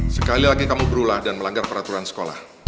sekali lagi kamu berulah dan melanggar peraturan sekolah